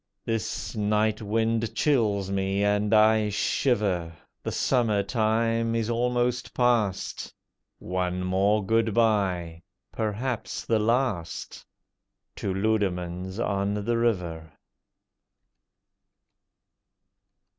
This night wind chills me, and I shiver; The Summer time is almost past. One more good bye—perhaps the last To Leudemanns on the River.